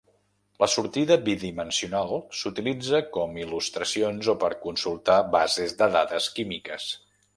La sortida bidimensional s'utilitza com il·lustracions o per consultar bases de dades químiques.